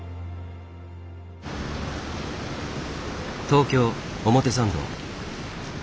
東京表参道。